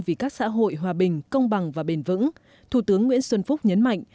vì các xã hội hòa bình công bằng và bền vững thủ tướng nguyễn xuân phúc nhấn mạnh